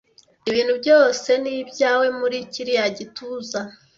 Ibintu byose ni ibyawe muri kiriya gituza?